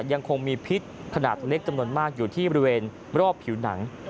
ยังคงมีพิษขนาดเล็กจำนวนมากอยู่ที่บริเวณรอบผิวหนัง